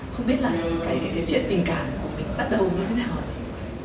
không biết là cái chuyện tình cảm của mình bắt đầu như thế nào hả chị